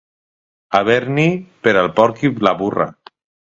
Haver-n'hi per al porc i la burra.